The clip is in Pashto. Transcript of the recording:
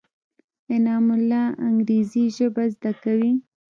انعام الله انګرېزي ژبه زده کوي.